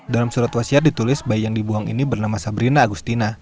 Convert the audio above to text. dalam surat wasiat ditulis bayi yang dibuang ini bernama sabrina agustina